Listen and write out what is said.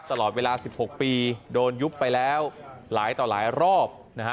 ตลอดเวลา๑๖ปีโดนยุบไปแล้วหลายต่อหลายรอบนะฮะ